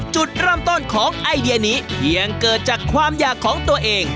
จุดเริ่มต้นของไอเดียนี้เพียงเกิดจากความอยากของตัวเอง